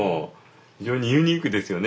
非常にユニークですよね